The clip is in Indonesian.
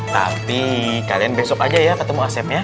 tapi kalian besok aja ya ketemu asepnya